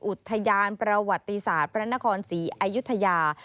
อุทยานประวัติศาสตร์พระนครศรีอายุทยา